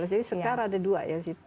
jadi sekar ada dua ya